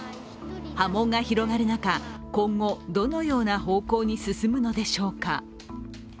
波紋が広がる中、今後どのような方向に進むのでしょうか。